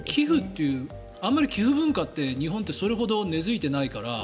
あまり寄付文化って日本ってそれほど根付いていないから。